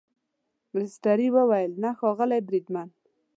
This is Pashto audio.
مستري وویل نه ښاغلی بریدمن.